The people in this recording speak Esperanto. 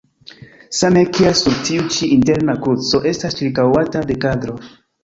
Same kiel sur tiu ĉi interna kruco estas ĉirkaŭata de kadro.